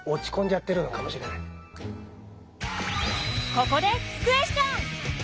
ここでクエスチョン！